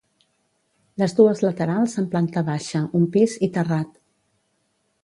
Les dues laterals amb planta baixa, un pis i terrat.